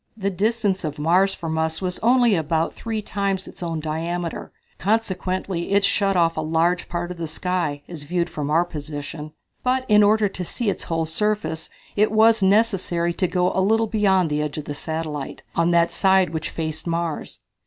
The distance of Mars from us was only about three times its own diameter, consequently it shut off a large part of the sky, as viewed from our position. But in order to see its whole surface it was necessary to go a little beyond the edge of the satellite, on that side which faced Mars.